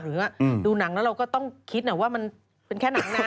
ดูหนังแล้วเราก็ต้องคิดว่ามันเป็นแค่หนังนะ